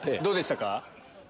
どうでしたか？